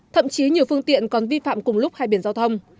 thậm chí nhiều phương tiện còn vi phạm cùng lúc hai biển giao thông